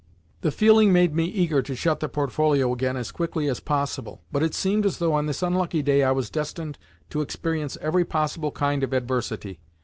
The feeling made me eager to shut the portfolio again as quickly as possible, but it seemed as though on this unlucky day I was destined to experience every possible kind of adversity.